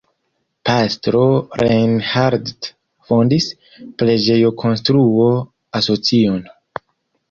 Pastro Reinhardt fondis preĝejokonstruo-asocion.